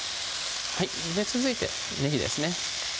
続いてねぎですね